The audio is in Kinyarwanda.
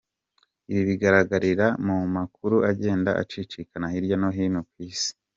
Ibi bigaragarira mu makuru agenda acicikana hirya no hino ku isi.